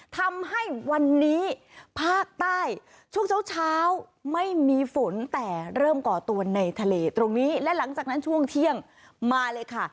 ทำให้วันนี้ภาคใต้ช่วงเช้าเช้าไม่มีฝนแต่เริ่มก่อตัวในทะเลตรงนี้และหลังจากนั้นช่วงเที่ยงมาเลยค่ะ